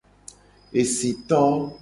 Esito.